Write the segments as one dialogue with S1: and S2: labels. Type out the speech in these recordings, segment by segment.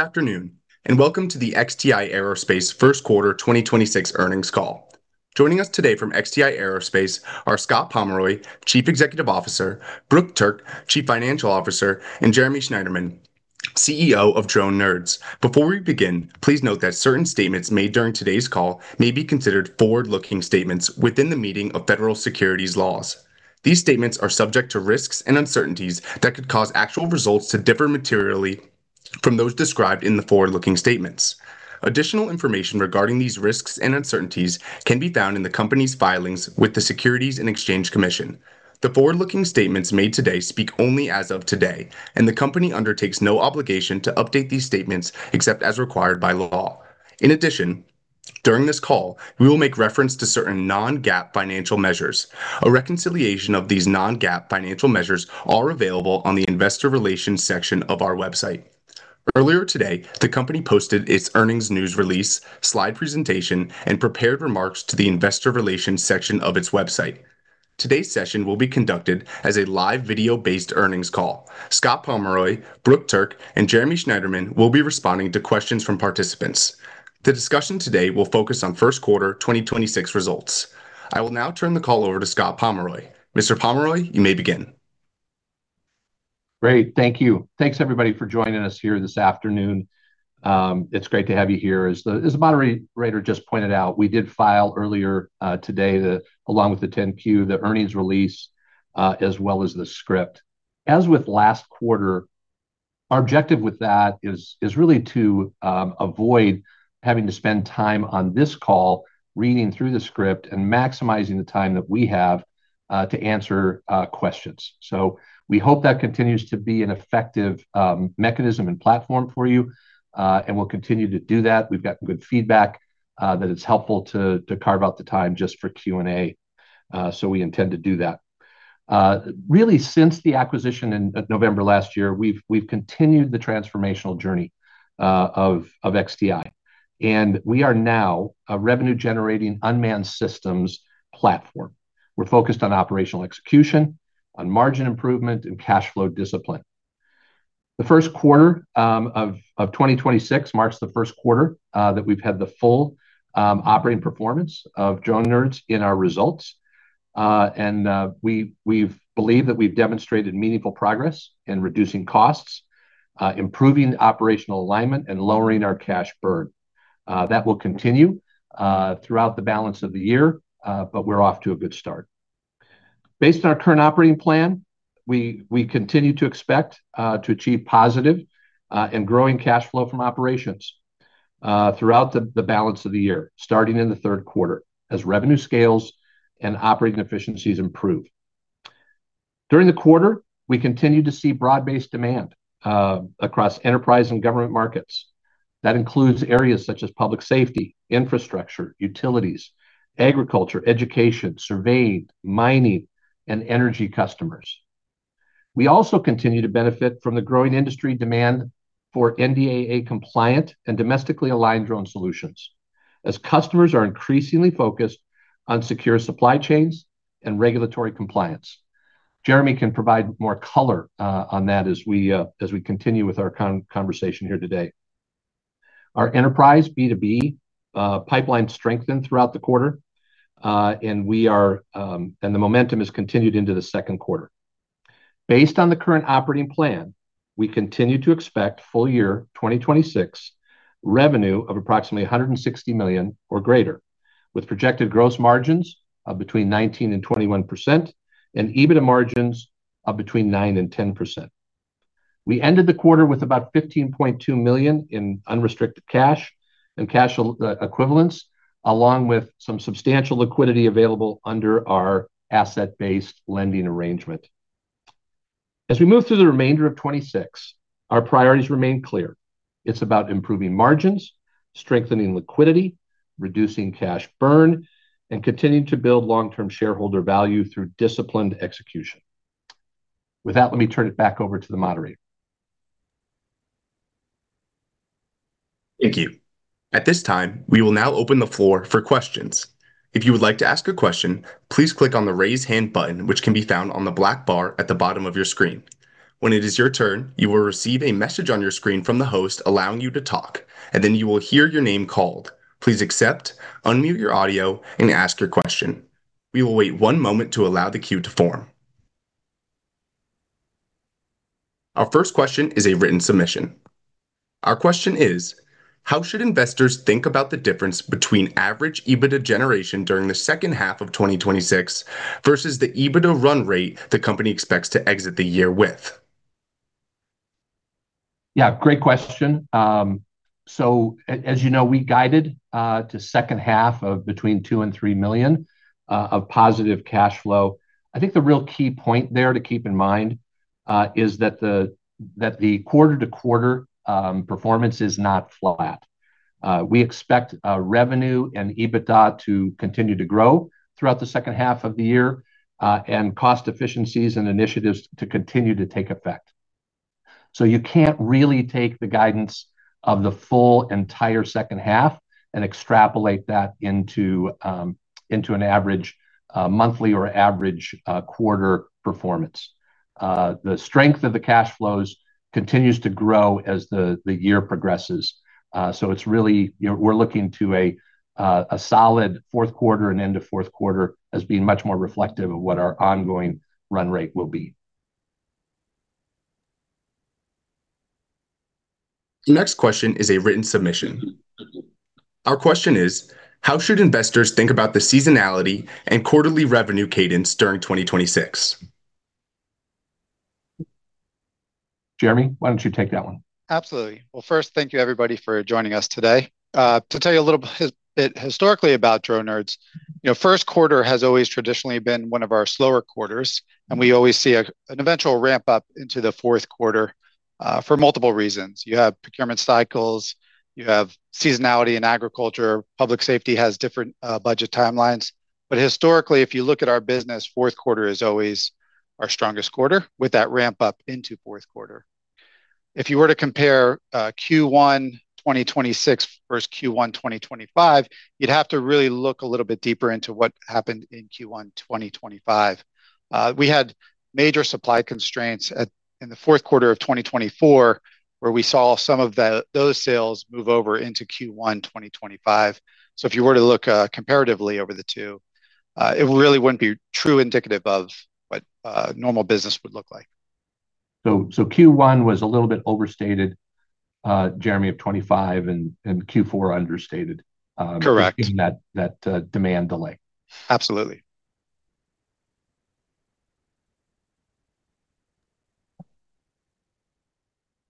S1: Good afternoon, and welcome to the XTI Aerospace first quarter 2026 earnings call. Joining us today from XTI Aerospace are Scott Pomeroy, Chief Executive Officer, Brooke Turk, Chief Financial Officer, and Jeremy Schneiderman, CEO of Drone Nerds. Before we begin, please note that certain statements made during today's call may be considered forward-looking statements within the meaning of federal securities laws. These statements are subject to risks and uncertainties that could cause actual results to differ materially from those described in the forward-looking statements. Additional information regarding these risks and uncertainties can be found in the company's filings with the Securities and Exchange Commission. The forward-looking statements made today speak only as of today, and the company undertakes no obligation to update these statements except as required by law. In addition, during this call, we will make reference to certain non-GAAP financial measures. A reconciliation of these non-GAAP financial measures are available on the investor relations section of our website. Earlier today, the company posted its earnings news release, slide presentation, and prepared remarks to the investor relations section of its website. Today's session will be conducted as a live video-based earnings call. Scott Pomeroy, Brooke Turk, and Jeremy Schneiderman will be responding to questions from participants. The discussion today will focus on first quarter 2026 results. I will now turn the call over to Scott Pomeroy. Mr. Pomeroy, you may begin.
S2: Great. Thank you. Thanks everybody for joining us here this afternoon. It's great to have you here. As the moderator just pointed out, we did file earlier today, along with the 10-Q, the earnings release, as well as the script. As with last quarter, our objective with that is really to avoid having to spend time on this call reading through the script and maximizing the time that we have to answer questions. We hope that continues to be an effective mechanism and platform for you, and we'll continue to do that. We've gotten good feedback that it's helpful to carve out the time just for Q and A, we intend to do that. Really since the acquisition in November last year, we've continued the transformational journey of XTI, we are now a revenue-generating unmanned systems platform. We're focused on operational execution, on margin improvement, and cash flow discipline. The first quarter of 2026 marks the first quarter that we've had the full operating performance of Drone Nerds in our results. We've believe that we've demonstrated meaningful progress in reducing costs, improving operational alignment, and lowering our cash burn. That will continue throughout the balance of the year, we're off to a good start. Based on our current operating plan, we continue to expect to achieve positive and growing cash flow from operations throughout the balance of the year, starting in the third quarter as revenue scales and operating efficiencies improve. During the quarter, we continued to see broad-based demand across enterprise and government markets. That includes areas such as public safety, infrastructure, utilities, agriculture, education, surveying, mining, and energy customers. We also continue to benefit from the growing industry demand for NDAA-compliant and domestically aligned drone solutions as customers are increasingly focused on secure supply chains and regulatory compliance. Jeremy can provide more color on that as we continue with our conversation here today. Our enterprise B2B pipeline strengthened throughout the quarter, and the momentum has continued into the second quarter. Based on the current operating plan, we continue to expect full year 2026 revenue of approximately $160 million or greater, with projected gross margins of between 19% and 21% and EBITDA margins of between 9% and 10%. We ended the quarter with about $15.2 million in unrestricted cash and cash equivalents, along with some substantial liquidity available under our asset-based lending arrangement. As we move through the remainder of 2026, our priorities remain clear. It's about improving margins, strengthening liquidity, reducing cash burn, and continuing to build long-term shareholder value through disciplined execution. With that, let me turn it back over to the moderator.
S1: Thank you. At this time, we will now open the floor for questions. If you would like to ask a question, please click on the Raise Hand button, which can be found on the black bar at the bottom of your screen. When it is your turn, you will receive a message on your screen from the host allowing you to talk, and then you will hear your name called. Please accept, unmute your audio, and ask your question. We will wait one moment to allow the queue to form. Our first question is a written submission. Our question is: How should investors think about the difference between average EBITDA generation during the second half of 2026 versus the EBITDA run rate the company expects to exit the year with?
S2: Great question. As you know, we guided to second half of between $2 million-$3 million of positive cash flow. I think the real key point there to keep in mind is that the quarter-to-quarter performance is not flat. We expect revenue and EBITDA to continue to grow throughout the second half of the year and cost efficiencies and initiatives to continue to take effect. You can't really take the guidance of the full entire second half and extrapolate that into an average monthly or average quarter performance. The strength of the cash flows continues to grow as the year progresses. It's really, you know, we're looking to a solid fourth quarter and end of fourth quarter as being much more reflective of what our ongoing run rate will be.
S1: The next question is a written submission. Our question is: How should investors think about the seasonality and quarterly revenue cadence during 2026?
S2: Jeremy, why don't you take that one?
S3: Absolutely. Well, first, thank you everybody for joining us today. To tell you a little bit historically about Drone Nerds, you know, first quarter has always traditionally been one of our slower quarters, and we always see an eventual ramp up into the fourth quarter for multiple reasons. You have procurement cycles, you have seasonality in agriculture. Public safety has different budget timelines. Historically, if you look at our business, fourth quarter is always our strongest quarter, with that ramp up into fourth quarter. If you were to compare Q1 2026 versus Q1 2025, you'd have to really look a little bit deeper into what happened in Q1 2025. We had major supply constraints in the fourth quarter of 2024, where we saw some of those sales move over into Q1 2025. If you were to look comparatively over the two, it really wouldn't be true indicative of what normal business would look like.
S2: Q1 was a little bit overstated, Jeremy, of 2025, and Q4 understated.
S3: Correct
S2: In that demand delay.
S3: Absolutely.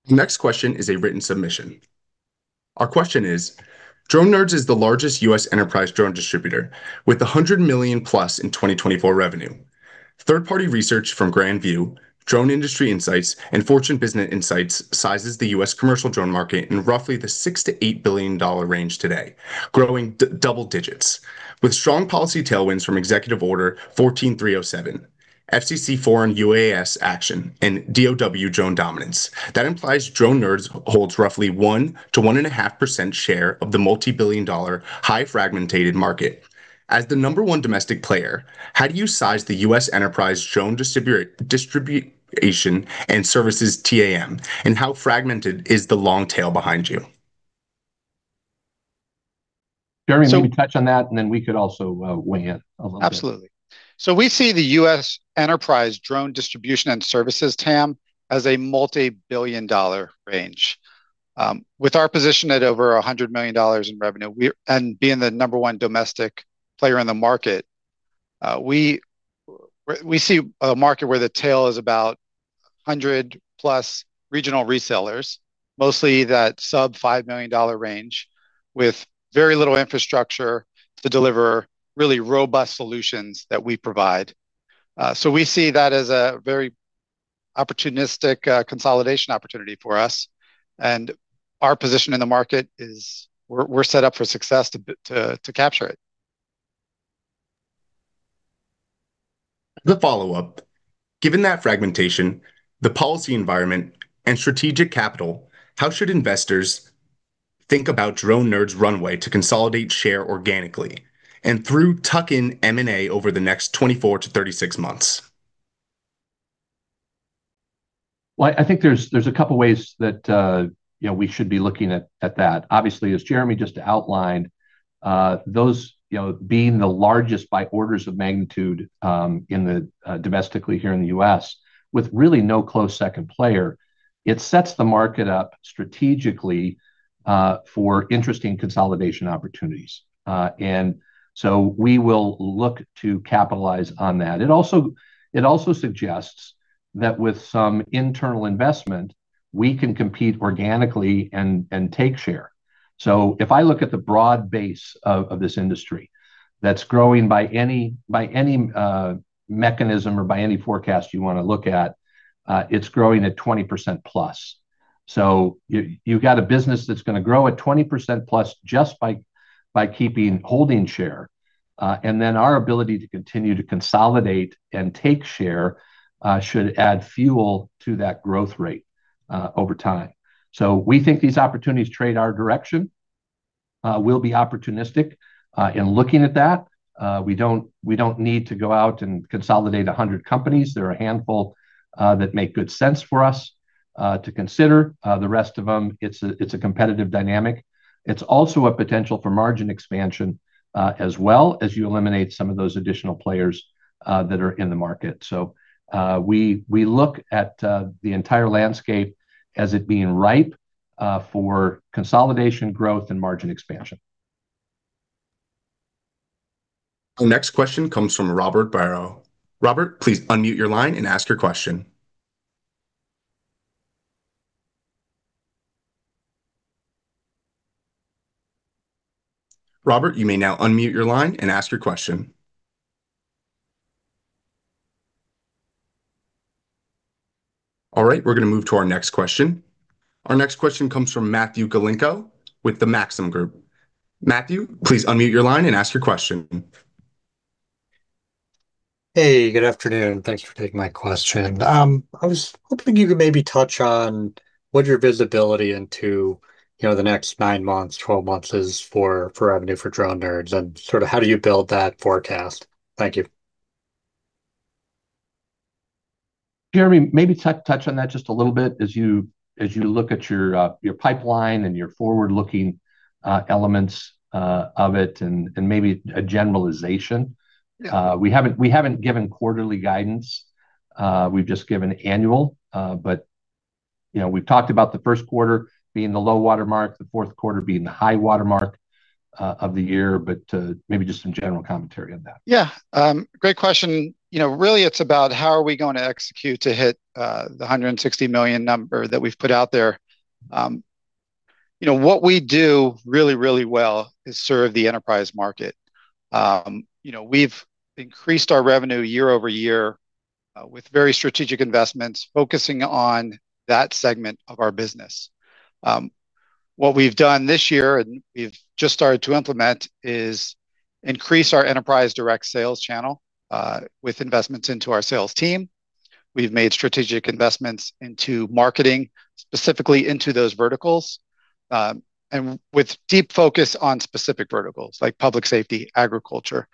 S1: The next question is a written submission. Our question is: Drone Nerds is the largest U.S. enterprise drone distributor, with $100 million+ in 2024 revenue. Third-party research from Grand View, Drone Industry Insights, and Fortune Business Insights sizes the U.S. commercial drone market in roughly the $6 billion-$8 billion range today, growing double digits. With strong policy tailwinds from Executive Order 14307, FCC foreign UAS action, and DOD Drone Dominance, that implies Drone Nerds holds roughly 1%-1.5% share of the multi-billion dollar highly fragmented market. As the number one domestic player, how do you size the U.S. enterprise drone distribution and services TAM, and how fragmented is the long tail behind you?
S2: Jeremy-
S3: So-
S2: maybe touch on that, and then we could also, weigh in a little bit.
S3: Absolutely. We see the U.S. enterprise drone distribution and services TAM as a multi-billion dollar range. With our position at over $100 million in revenue, we, and being the number one domestic player in the market, we see a market where the tail is about 100+ regional resellers, mostly that sub $5 million range, with very little infrastructure to deliver really robust solutions that we provide. We see that as a very opportunistic consolidation opportunity for us. Our position in the market is we're set up for success to capture it.
S1: The follow-up: Given that fragmentation, the policy environment and strategic capital, how should investors think about Drone Nerds' runway to consolidate share organically and through tuck in M&A over the next 24-36 months?
S2: Well, I think there's a couple ways that, you know, we should be looking at that. Obviously, as Jeremy just outlined, those, you know, being the largest by orders of magnitude, domestically here in the U.S., with really no close second player, it sets the market up strategically for interesting consolidation opportunities. We will look to capitalize on that. It also suggests that with some internal investment, we can compete organically and take share. If I look at the broad base of this industry that's growing by any, by any mechanism or by any forecast you wanna look at, it's growing at 20%+. You got a business that's gonna grow at 20%+ just by keeping, holding share. Our ability to continue to consolidate and take share should add fuel to that growth rate over time. We think these opportunities trade our direction. We'll be opportunistic in looking at that. We don't need to go out and consolidate 100 companies. There are a handful that make good sense for us to consider. The rest of them, it's a competitive dynamic. It's also a potential for margin expansion as well, as you eliminate some of those additional players that are in the market. We look at the entire landscape as it being ripe for consolidation growth and margin expansion.
S1: The next question comes from Robert Barrow. Robert, please unmute your line and ask your question. Robert, you may now unmute your line and ask your question. All right, we're gonna move to our next question. Our next question comes from Matthew Galinko with the Maxim Group. Matthew, please unmute your line and ask your question.
S4: Hey, good afternoon. Thanks for taking my question. I was hoping you could maybe touch on what your visibility into, you know, the next nine months, 12 months is for revenue for Drone Nerds, and sort of how do you build that forecast? Thank you.
S2: Jeremy, maybe touch on that just a little bit as you look at your pipeline and your forward-looking elements of it and maybe a generalization.
S3: Yeah.
S2: We haven't given quarterly guidance, we've just given annual. You know, we've talked about the first quarter being the low water mark, the fourth quarter being the high water mark of the year. Maybe just some general commentary on that.
S3: Great question. You know, really it's about how are we going to execute to hit the $160 million that we've put out there. You know, what we do really, really well is serve the enterprise market. You know, we've increased our revenue year-over-year with very strategic investments focusing on that segment of our business. What we've done this year, and we've just started to implement, is increase our enterprise direct sales channel with investments into our sales team. We've made strategic investments into marketing, specifically into those verticals. And with deep focus on specific verticals, like public safety, agriculture.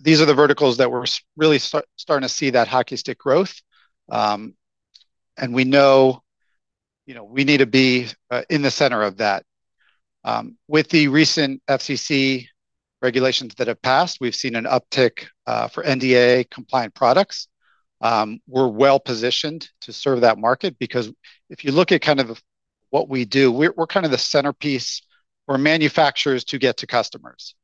S3: These are the verticals that we're really starting to see that hockey stick growth. And we know, you know, we need to be in the center of that. With the recent FCC regulations that have passed, we've seen an uptick for NDAA compliant products. We're well-positioned to serve that market because if you look at kind of what we do, we're kind of the centerpiece for manufacturers to get to customers.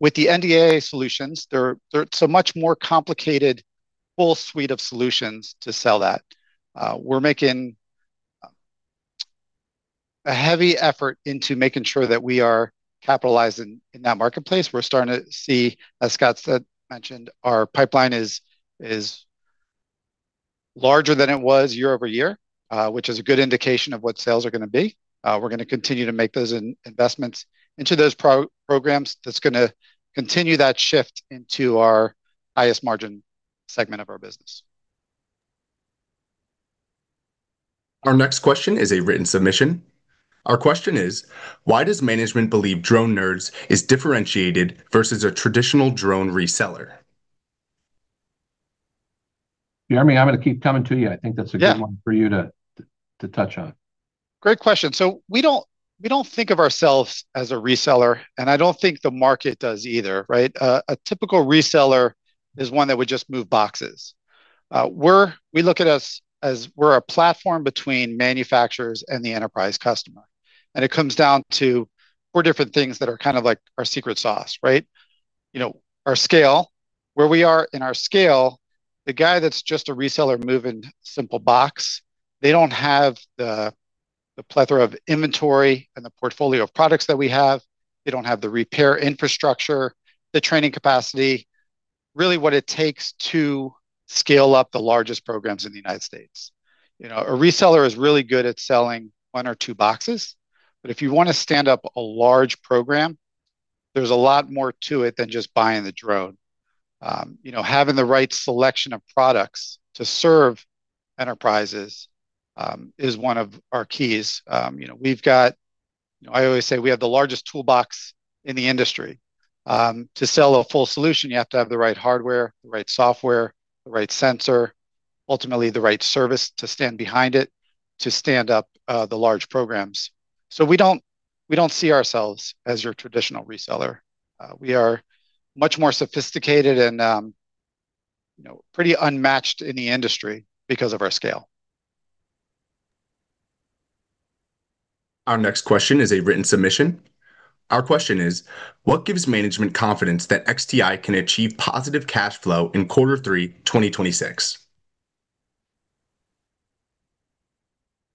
S3: With the NDAA solutions, they're so much more complicated, full suite of solutions to sell that. We're making a heavy effort into making sure that we are capitalizing in that marketplace. We're starting to see, as Scott mentioned, our pipeline is larger than it was year-over-year, which is a good indication of what sales are gonna be. We're gonna continue to make those investments into those programs. That's gonna continue that shift into our highest margin segment of our business.
S1: Our next question is a written submission. Our question is: Why does management believe Drone Nerds is differentiated versus a traditional drone reseller?
S2: Jeremy, I'm gonna keep coming to you. I think that's.
S3: Yeah
S2: good one for you to touch on.
S3: Great question. We don't think of ourselves as a reseller, and I don't think the market does either, right? A typical reseller is one that would just move boxes. We look at us as we're a platform between manufacturers and the enterprise customer. It comes down to four different things that are kind of like our secret sauce, right? You know, our scale. Where we are in our scale, the guy that's just a reseller moving simple box, they don't have the plethora of inventory and the portfolio of products that we have. They don't have the repair infrastructure, the training capacity, really what it takes to scale up the largest programs in the U.S. You know, a reseller is really good at selling one or two boxes, but if you wanna stand up a large program, there's a lot more to it than just buying the drone. You know, having the right selection of products to serve enterprises, is one of our keys. You know, we've got You know, I always say we have the largest toolbox in the industry. To sell a full solution, you have to have the right hardware, the right software, the right sensor, ultimately the right service to stand behind it to stand up, the large programs. We don't see ourselves as your traditional reseller. We are much more sophisticated and, you know, pretty unmatched in the industry because of our scale.
S1: Our next question is a written submission. Our question is: What gives management confidence that XTI can achieve positive cash flow in quarter three, 2026?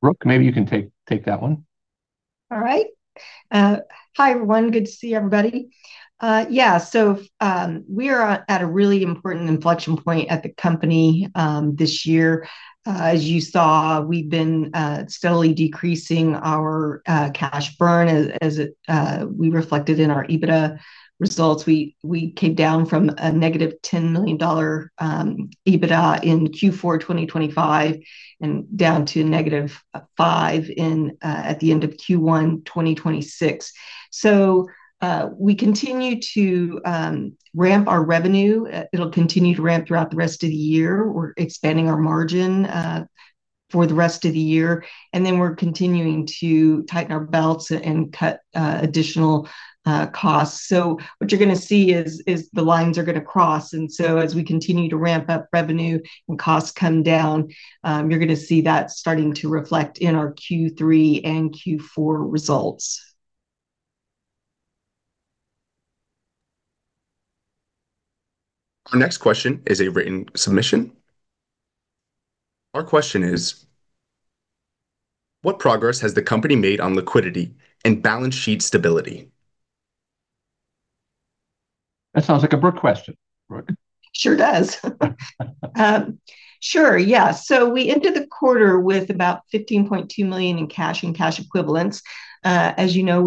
S2: Brooke, maybe you can take that one.
S5: All right. Hi everyone, good to see everybody. Yeah, we are at a really important inflection point at the company this year. As you saw, we've been steadily decreasing our cash burn as it we reflected in our EBITDA results. We came down from a $-10 million EBITDA in Q4 2025, and down to $-5 million at the end of Q1 2026. We continue to ramp our revenue. It'll continue to ramp throughout the rest of the year. We're expanding our margin for the rest of the year. We're continuing to tighten our belts and cut additional costs. What you're gonna see is the lines are gonna cross. As we continue to ramp up revenue and costs come down, you're gonna see that starting to reflect in our Q3 and Q4 results.
S1: Our next question is a written submission. Our question is: What progress has the company made on liquidity and balance sheet stability?
S2: That sounds like a Brooke question. Brooke?
S5: Sure does. Sure, yeah. We ended the quarter with about $15.2 million in cash and cash equivalents. As you know,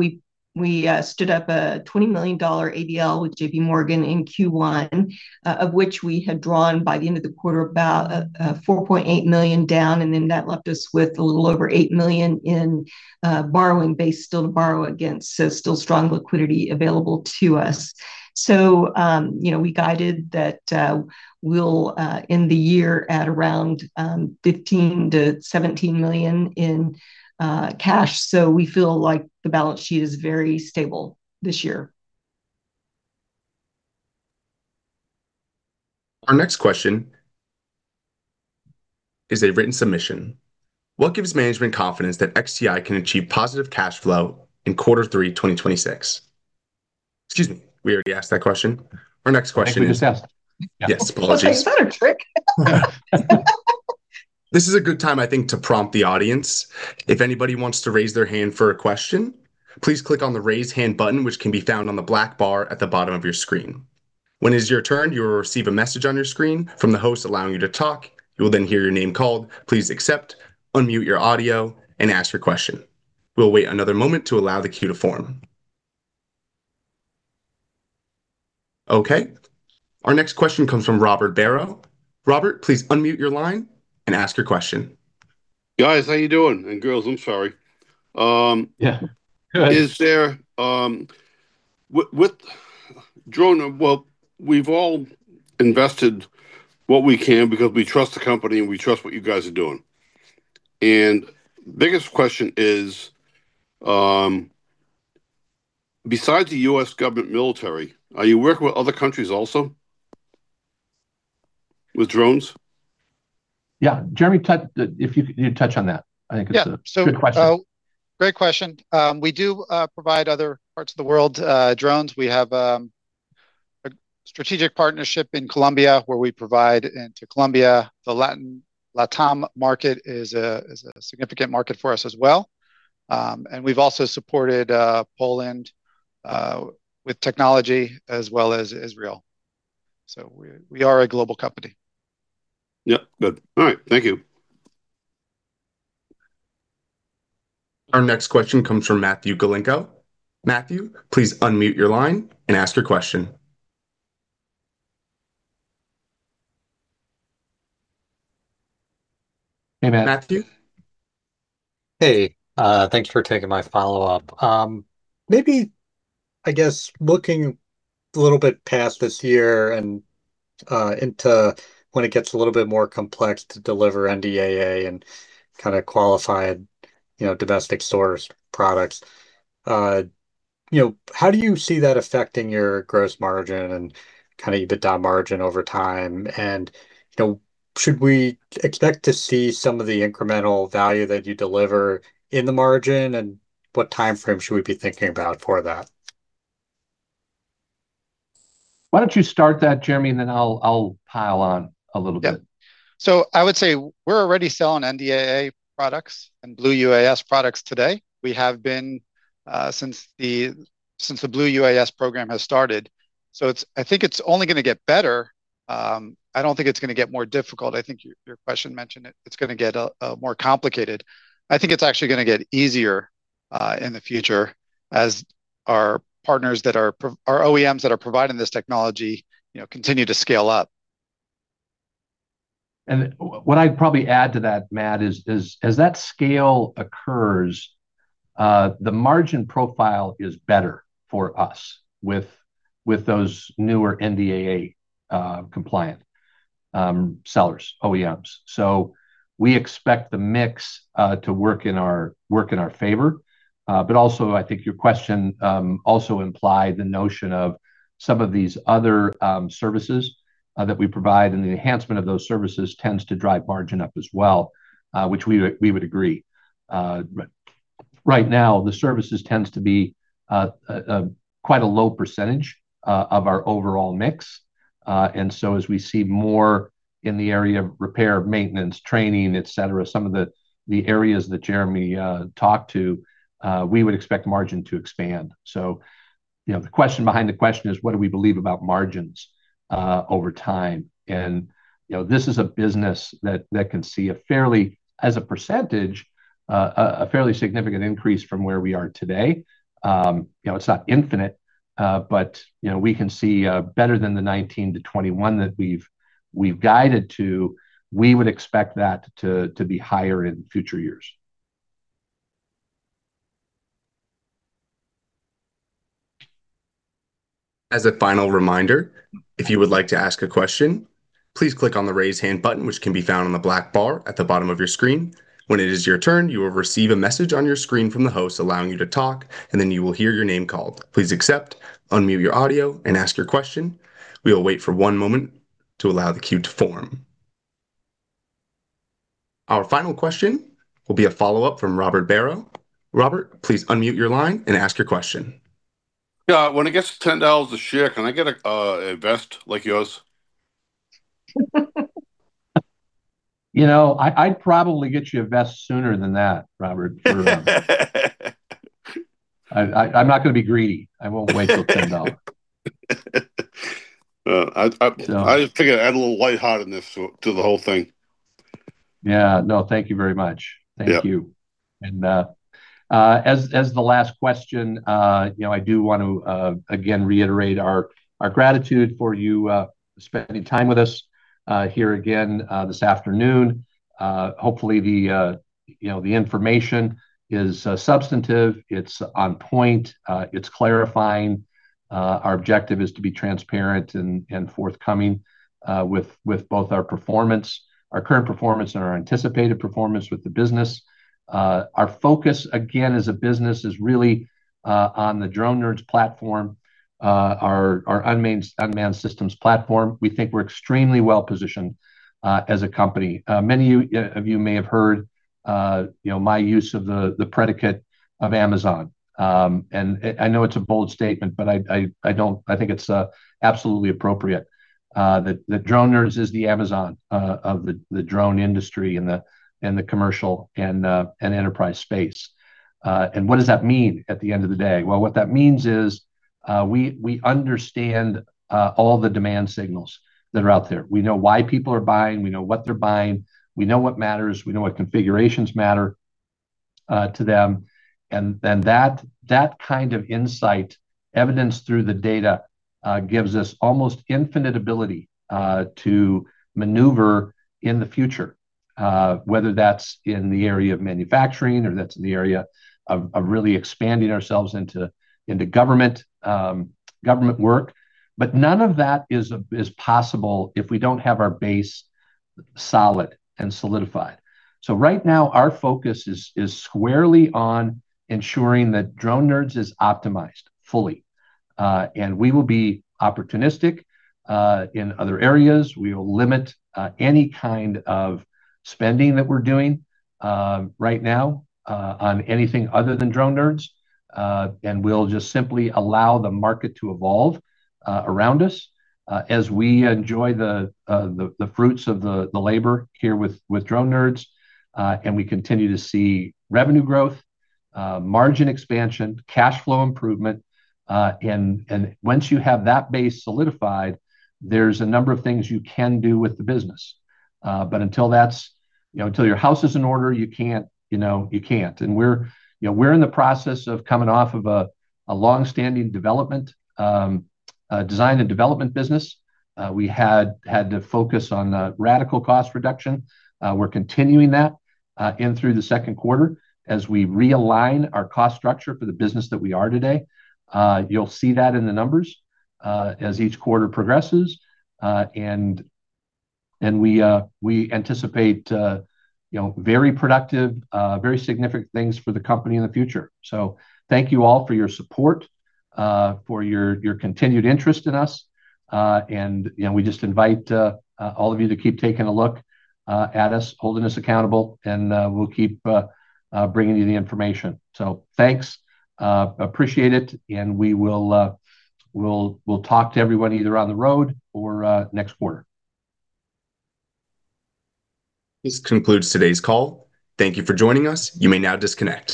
S5: we stood up a $20 million ABL with JPMorgan in Q1, of which we had drawn by the end of the quarter about $4.8 million down, and then that left us with a little over $8 million in borrowing base still to borrow against. Still strong liquidity available to us. You know, we guided that we'll end the year at around $15 million-$17 million in cash. We feel like the balance sheet is very stable this year.
S1: Our next question is a written submission. What gives management confidence that XTI can achieve positive cash flow in quarter three, 2026? Excuse me. We already asked that question. Our next question is.
S2: I think we just asked. Yeah.
S1: Yes. Apologies.
S5: Okay. Is that a trick?
S1: This is a good time, I think, to prompt the audience. If anybody wants to raise their hand for a question, please click on the Raise Hand button, which can be found on the black bar at the bottom of your screen. When it is your turn, you will receive a message on your screen from the host allowing you to talk. You will hear your name called. Please accept, unmute your audio, and ask your question. We'll wait another moment to allow the queue to form. Okay. Our next question comes from Robert Barrow. Robert, please unmute your line and ask your question.
S6: Guys, how you doing? girls, I'm sorry.
S2: Yeah. Go ahead
S6: With drone, well, we've all invested what we can because we trust the company and we trust what you guys are doing. Biggest question is, besides the U.S. government military, are you working with other countries also with drones?
S2: Yeah. Jeremy, If you could, you touch on that.
S3: Yeah
S2: good question.
S3: Great question. We do provide other parts of the world drones. We have a strategic partnership in Colombia where we provide, and to Colombia. The Latin, LATAM market is a significant market for us as well. We've also supported Poland with technology, as well as Israel. We are a global company.
S6: Yep. Good. All right. Thank you.
S1: Our next question comes from Matthew Galinko. Matthew, please unmute your line and ask your question.
S2: Hey, Matt.
S3: Matthew?
S4: Hey. Thanks for taking my follow-up. Maybe, I guess, looking a little bit past this year and into when it gets a little bit more complex to deliver NDAA and kind of qualify, you know, domestic source products, you know, how do you see that affecting your gross margin and kind of EBITDA margin over time? You know, should we expect to see some of the incremental value that you deliver in the margin? What timeframe should we be thinking about for that?
S2: Why don't you start that, Jeremy, and then I'll pile on a little bit.
S3: Yeah. I would say we're already selling NDAA products and Blue UAS products today. We have been since the Blue UAS program has started. It's, I think it's only gonna get better. I don't think it's gonna get more difficult. I think your question mentioned it's gonna get more complicated. I think it's actually gonna get easier in the future as our partners that are our OEMs that are providing this technology, you know, continue to scale up.
S2: What I'd probably add to that, Matt, is as that scale occurs, the margin profile is better for us with those newer NDAA compliant sellers, OEMs. We expect the mix to work in our favor. Also, I think your question also implied the notion of some of these other services that we provide, and the enhancement of those services tends to drive margin up as well, which we would agree. Right now the services tends to be a quite a low percentage of our overall mix. As we see more in the area of repair, maintenance, training, et cetera, some of the areas that Jeremy talked to, we would expect margin to expand. You know, the question behind the question is what do we believe about margins over time? You know, this is a business that can see a fairly, as a percentage, a fairly significant increase from where we are today. You know, it's not infinite, but, you know, we can see better than the 19%-21% that we've guided to. We would expect that to be higher in future years.
S1: As a final reminder, if you would like to ask a question, please click on the Raise Hand button, which can be found on the black bar at the bottom of your screen. When it is your turn, you will receive a message on your screen from the host allowing you to talk, and then you will hear your name called. Please accept, unmute your audio, and ask your question. We will wait for one moment to allow the queue to form. Our final question will be a follow-up from Robert Barrow. Robert, please unmute your line and ask your question.
S6: Yeah. When it gets to $10 a share, can I get a vest like yours?
S2: You know, I'd probably get you a vest sooner than that, Robert. I'm not gonna be greedy. I won't wait till $10.
S6: I just figured I'd add a little lightheartedness to the whole thing.
S2: Yeah. No, thank you very much.
S6: Yeah.
S2: Thank you. As the last question, you know, I do want to again reiterate our gratitude for you spending time with us here again this afternoon. Hopefully the, you know, the information is substantive, it's on point, it's clarifying. Our objective is to be transparent and forthcoming with both our performance, our current performance and our anticipated performance with the business. Our focus again as a business is really on the Drone Nerds platform, our unmanned systems platform. We think we're extremely well-positioned as a company. Many of you may have heard, you know, my use of the predicate of Amazon. I know it's a bold statement, but I think it's absolutely appropriate that Drone Nerds is the Amazon of the drone industry and the commercial and enterprise space. What does that mean at the end of the day? Well, what that means is, we understand all the demand signals that are out there. We know why people are buying, we know what they're buying, we know what matters, we know what configurations matter to them. Then that kind of insight evidenced through the data gives us almost infinite ability to maneuver in the future. Whether that's in the area of manufacturing or that's in the area of really expanding ourselves into government work. None of that is possible if we don't have our base solid and solidified. Right now, our focus is squarely on ensuring that Drone Nerds is optimized fully. We will be opportunistic in other areas. We will limit any kind of spending that we're doing right now on anything other than Drone Nerds. We'll just simply allow the market to evolve around us as we enjoy the fruits of the labor here with Drone Nerds. We continue to see revenue growth, margin expansion, cash flow improvement. Once you have that base solidified, there's a number of things you can do with the business. Until that's, you know, until your house is in order, you can't. We're, you know, we're in the process of coming off of a longstanding development, a design and development business. We had to focus on radical cost reduction. We're continuing that in through the second quarter as we realign our cost structure for the business that we are today. You'll see that in the numbers as each quarter progresses. We anticipate, you know, very productive, very significant things for the company in the future. Thank you all for your support, for your continued interest in us. You know, we just invite all of you to keep taking a look at us, holding us accountable, and we'll keep bringing you the information. Thanks. Appreciate it. We will, we'll talk to everyone either on the road or next quarter.
S1: This concludes today's call. Thank you for joining us. You may now disconnect.